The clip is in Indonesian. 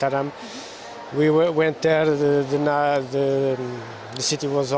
sekarang kita bersabar ternyata berhubungan dengan nomeleks small town di bandara lombok hasilnya tidak terjadi